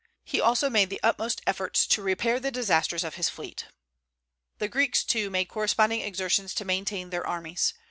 He also made the utmost efforts to repair the disasters of his fleet. The Greeks, too, made corresponding exertions to maintain their armies.